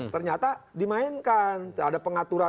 ternyata dimainkan ada pengaturan